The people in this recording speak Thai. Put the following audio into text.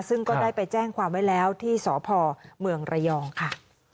ซึ่งก็ได้ไปแจ้งความไว้แล้วที่สพเมืองระยองค่ะ